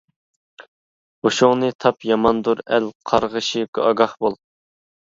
ھوشۇڭنى تاپ ياماندۇر ئەل قارغىشى ئاگاھ بول!